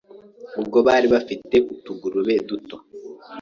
Ubwo bari bafite utugurube duto